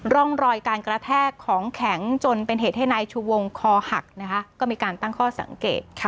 ร่องรอยการกระแทกของแข็งจนเป็นเหตุให้นายชูวงคอหักนะคะก็มีการตั้งข้อสังเกต